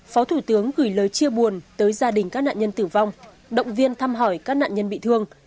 phó thủ tướng gửi lời chia buồn tới gia đình các nạn nhân tử vong động viên thăm hỏi các nạn nhân bị thương